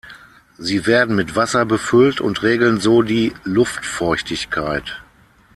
Sie werden mit Wasser befüllt und regeln so die Luftfeuchtigkeit.